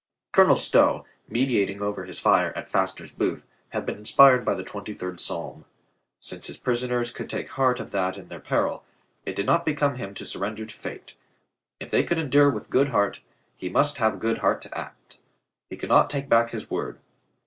Colonel Stow, meditating over his fire at Faster's Booth, had been inspired by the twenty third psalm. 3IO COLONEL GREATHEART Since his prisoners could take heart of that in their peril, it did not become him to surrender to fate. If they could endure with good heart, he must have good heart to act. He could not take back his word.